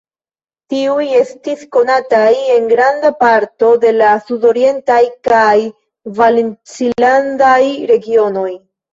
Tiuj estis konataj en granda parto de la sudorientaj kaj valencilandaj regionoj.